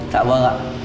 dạ vâng ạ